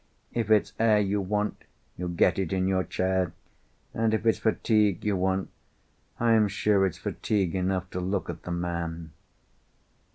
If it's air you want, you get it in your chair. And if it's fatigue you want, I am sure it's fatigue enough to look at the man."